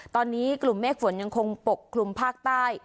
ตอนนี้กลุ่มเมฆฝนยังคงปกคลุมภาคใต้